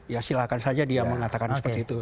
ya silahkan saja dia mengatakan seperti itu